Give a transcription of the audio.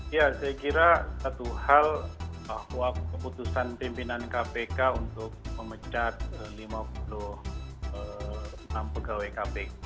ya saya kira satu hal bahwa keputusan pimpinan kpk untuk memecat lima puluh enam pegawai kpk